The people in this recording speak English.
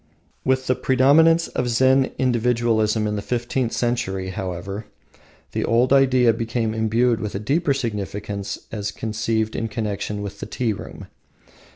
With the predominance of Zen individualism in the fifteenth century, however, the old idea became imbued with a deeper significance as conceived in connection with the tea room.